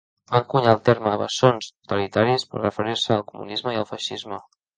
Va encunyar el terme bessons totalitaris per a referir-se al comunisme i al feixisme.